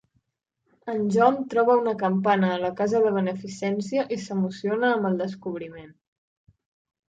En Jon troba una campana a la casa de beneficència i s'emociona amb el descobriment.